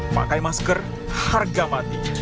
pakai masker harga mati